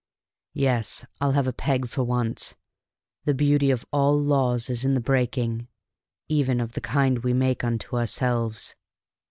Yes, I'll have a peg for once; the beauty of all laws is in the breaking, even of the kind we make unto ourselves."